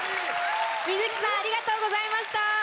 Ｍｉｚｋｉさんありがとうございました。